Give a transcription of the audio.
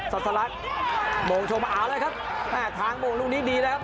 สลัดสลัดโมงชมอาเลยครับอ่าทางโมงลูกนี้ดีแล้วครับ